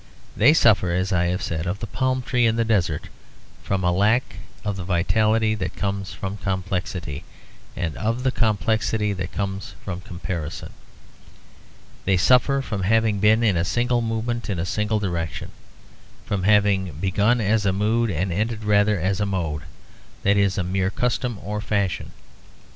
They suffer, as I have said of the palm tree in the desert, from a lack of the vitality that comes from complexity, and of the complexity that comes from comparison. They suffer from having been in a single movement in a single direction; from having begun as a mood and ended rather as a mode, that is a mere custom or fashion.